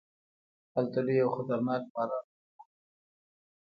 هلته لوی او خطرناک ماران هم وو.